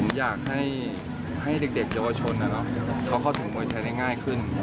ผมอยากให้เด็กเยาวชนเขาเข้าถึงมวยไทยได้ง่ายขึ้น